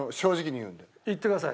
言ってください。